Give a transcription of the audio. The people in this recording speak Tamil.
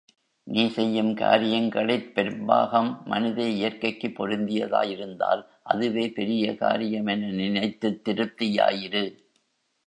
நீ செய்யும் காரியங்களிற் பெரும்பாகம் மனித இயற்கைக்குப் பொருந்தியதா யிருந்தால் அதுவே பெரிய காரியம் என நினைத்துத் திருப்தியாயிரு.